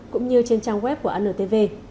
cũng như trên trang web của antv